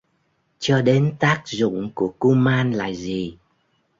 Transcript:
Cho đến tác dụng của kuman là gì